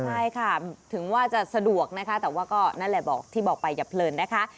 ใช่ค่ะถึงว่าจะสะดวกนะคะแต่ว่าก็นั่นแหละบอกที่บอกไปอย่าเพลินนะคะ